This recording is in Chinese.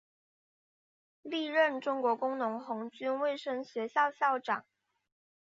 历任中国工农红军卫生学校校长。